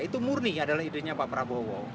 itu murni adalah idenya pak prabowo